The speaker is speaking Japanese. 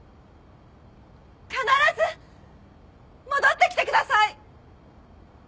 必ず戻ってきてください。